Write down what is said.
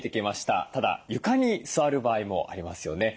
ただ床に座る場合もありますよね。